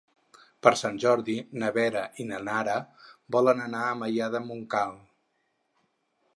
Per Sant Jordi na Vera i na Nara volen anar a Maià de Montcal.